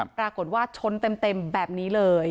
ปรากฏว่าชนเต็มแบบนี้เลย